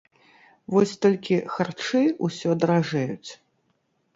Вось толькі харчы ўсё даражэюць.